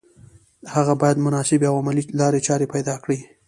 هغه بايد مناسبې او عملي لارې چارې پيدا کړي.